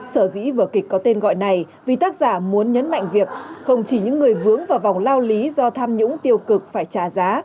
sở dĩ vừa kịch có tên gọi này vì tác giả muốn nhấn mạnh việc không chỉ những người vướng vào vòng lao lý do tham nhũng tiêu cực phải trả giá